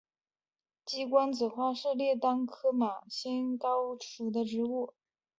鸡冠子花是列当科马先蒿属的植物。